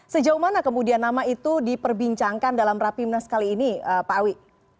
sejauh mana kemudian nama itu diperbincangkan dalam rapimnas kali ini pak awi